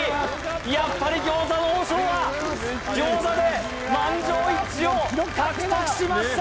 やっぱり餃子の王将は餃子で満場一致を獲得しました！